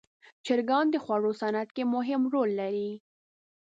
چرګان د خوړو صنعت کې مهم رول لري.